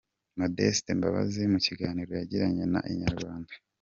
Modeste Mbabazi mu kiganiro yagiranye na Inyarwanda.